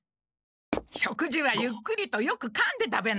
食事はゆっくりとよくかんで食べなきゃ。